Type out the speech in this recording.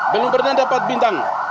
belum pernah dapat bintang